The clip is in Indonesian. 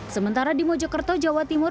sementara di mojokerto jawa timur